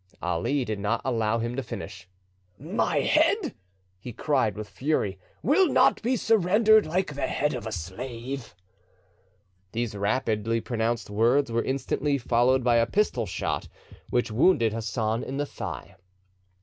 ..." Ali did not allow him to finish. "My head," he cried with fury, "will not be surrendered like the head of a slave." These rapidly pronounced words were instantly followed by a pistol shot which wounded Hassan in the thigh.